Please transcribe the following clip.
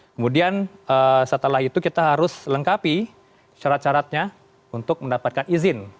kemudian setelah itu kita harus lengkapi syarat syaratnya untuk mendapatkan izin